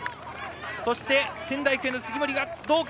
そして、仙台育英の杉森はどうか。